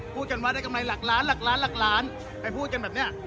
พูดกันว่าได้กำไรหลักล้านหลักล้านหลักล้านไปพูดกันแบบนี้